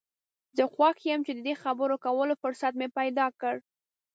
زه خوښ یم چې د دې خبرو کولو فرصت مې پیدا کړ.